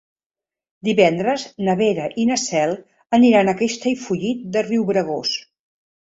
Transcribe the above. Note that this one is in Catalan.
Divendres na Vera i na Cel aniran a Castellfollit de Riubregós.